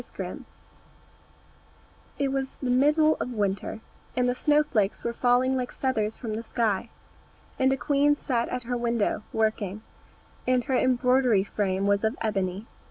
"] SNOW WHITE IT was the middle of winter, and the snow flakes were falling like feathers from the sky, and a queen sat at her window working, and her embroidery frame was of ebony.